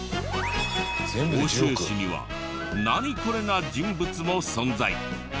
奥州市には「ナニコレ？」な人物も存在。